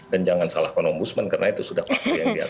dan jangan salahkan ombudsman karena itu sudah pasti yang diatur oleh uu